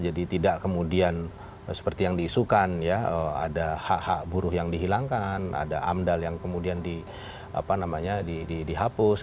jadi tidak kemudian seperti yang diisukan ya ada hak hak buruh yang dihilangkan ada amdal yang kemudian dihapus